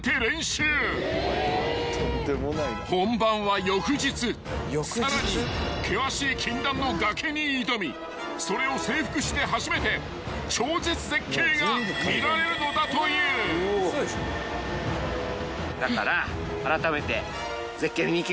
［本番は翌日さらに険しい禁断の崖に挑みそれを征服して初めて超絶絶景が見られるのだという］だから。